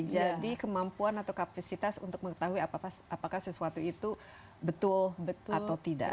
jadi kemampuan atau kapasitas untuk mengetahui apakah sesuatu itu betul atau tidak